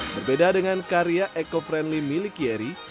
berbeda dengan karya eco friendly milik yeri